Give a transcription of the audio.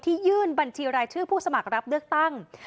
ยื่นบัญชีรายชื่อผู้สมัครรับเลือกตั้ง